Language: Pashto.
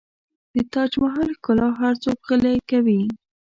د تاج محل ښکلا هر څوک غلی کوي.